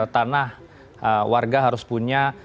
tanah warga harus punya